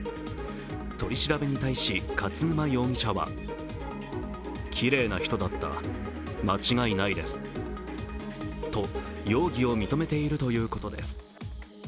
取り調べに対し勝沼容疑者はと容疑を認めているということです。